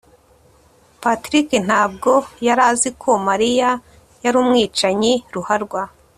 patrick ntabwo yari azi ko mariya yari umwicanyi ruharwa